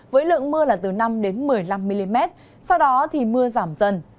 với lượng mưa là từ năm một mươi năm mm sau đó thì mưa giảm dần